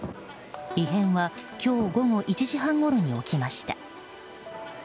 異変は今日午後１時半ごろに置きました。